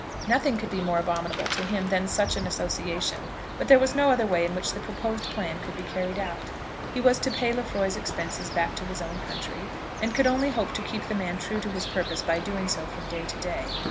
Nothing could be more abominable to him than such an association; but there was no other way in which the proposed plan could be carried out. He was to pay Lefroy's expenses back to his own country, and could only hope to keep the man true to his purpose by doing so from day to day.